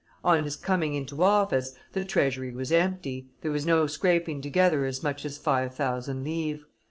On his coming into office, the treasury was empty, there was no scraping together as much as five thousand livres.